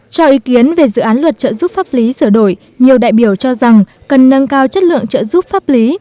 cho ý kiến về dự án luật trợ giúp pháp lý sửa đổi nhiều đại biểu cho rằng cần nâng cao chất lượng trợ giúp pháp lý